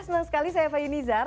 senang sekali saya fayu nizar